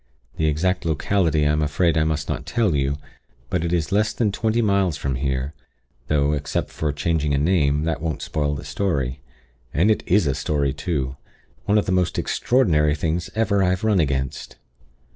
The exact locality I am afraid I must not tell you; but it is less than twenty miles from here; though, except for changing a name, that won't spoil the story. And it is a story too! One of the most extraordinary things ever I have run against.